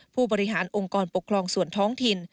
ผู้บริหารองค์กรปกครองส่วนท้องถิ่น